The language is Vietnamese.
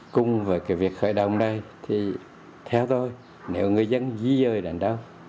cùng với việc khởi động đây thì theo tôi nếu người dân di trời đến đâu